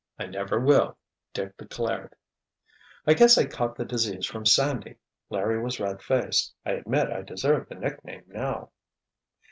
"I never will," Dick declared. "I guess I caught the disease from Sandy," Larry was red faced, "I admit I deserve the nickname now."